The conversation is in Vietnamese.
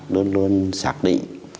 luôn luôn xác định